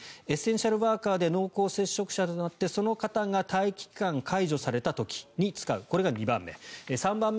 エッセンシャルワーカーで濃厚接触者となってその方が待機期間を解除された時に使うこれが２番目。